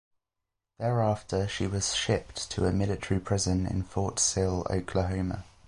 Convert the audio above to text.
Thereafter she was shipped to a military prison in Fort Sill, Oklahoma.